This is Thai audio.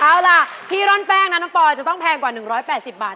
เอาล่ะที่เริ่มแพงน้ำปลอล์จะต้องแพงกว่า๑๘๐บาท